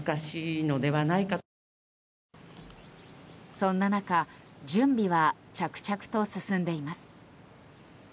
そんな中、準備は着々と進んでいます。